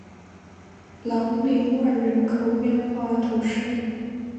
朗里万人口变化图示